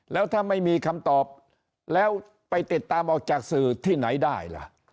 แล้วถ้าไม่มีคำตอบแล้วไปติดตามออกจากสื่อที่ไหนได้ล่ะ